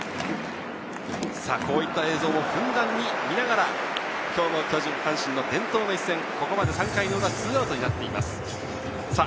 こういった映像もふんだんに入れながら、今日の巨人・阪神、伝統の一戦、ここまで３回の裏、２アウトになっています。